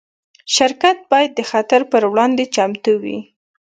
شرکت باید د خطر پر وړاندې چمتو وي.